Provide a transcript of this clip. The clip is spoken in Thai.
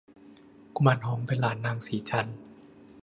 กุมารทองเป็นหลานนางสีจันทร์